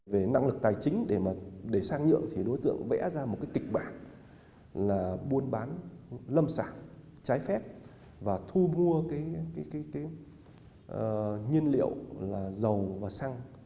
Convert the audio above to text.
về năng lực tài chính để sang nhượng thì đối tượng vẽ ra một kịch bản là buôn bán lâm sản trái phép và thu mua nhiên liệu là dầu và xăng